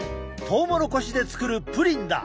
トウモロコシで作るプリンだ。